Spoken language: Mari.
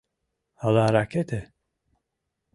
Ала ракете?